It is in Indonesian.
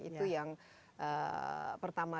itu yang pertama